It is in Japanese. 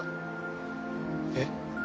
えっ？